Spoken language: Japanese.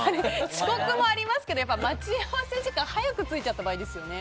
遅刻もありますけど待ち合わせ時間に早く着いちゃった場合ですよね。